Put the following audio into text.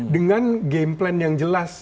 dengan game plan yang jelas